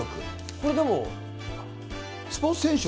これでも、スポーツ選手は。